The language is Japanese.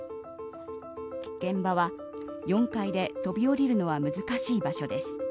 現場は４階で飛び降りるのは難しい場所です。